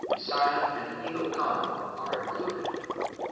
Bisayan, and Ilokano are included.